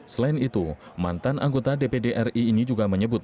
selain itu mantan anggota dpdri ini juga menyebut